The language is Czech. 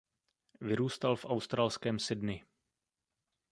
Vyrůstal v australském Sydney.